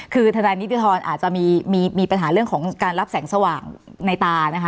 คือทนายนิติธรอาจจะมีปัญหาเรื่องของการรับแสงสว่างในตานะคะ